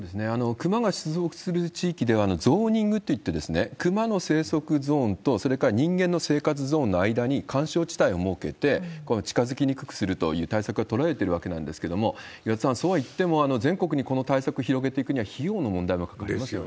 クマが出没する地域では、ゾーニングといって、クマの生息ゾーンと、それから人間の生活ゾーンの間に緩衝地帯を設けて、近づきにくくするという対策が取られているわけなんですけれども、岩田さん、そうはいっても、全国にこの対策広げていくには、費用の問題もかかりますよね。